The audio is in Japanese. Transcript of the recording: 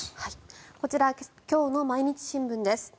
こちら今日の毎日新聞です。